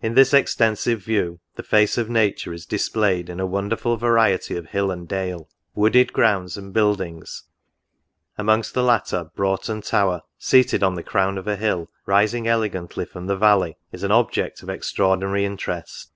In this extensive view, the face of nature is dis played in a wonderful variety of hill and dale ; wooded grounds and buildings ; amongst the latter, Broughton Tower, seated on the crown of a hill, rising elegantly from the valley, is an object of extraordinary interest.